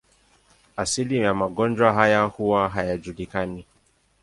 Asili ya magonjwa haya huwa hayajulikani.